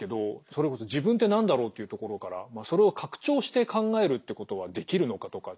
それこそ自分って何だろうっていうところからそれを拡張して考えるってことはできるのかとか。